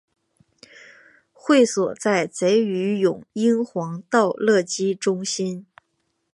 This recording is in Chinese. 会所在鲗鱼涌英皇道乐基中心。